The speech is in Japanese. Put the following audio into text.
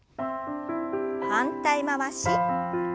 反対回し。